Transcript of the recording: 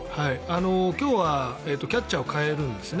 今日はキャッチャーを代えるんですね。